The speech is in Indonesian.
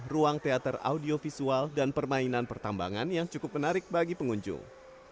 ruang teater audiovisual dan permainan pertambangan yang cukup menarik bagi pengunjung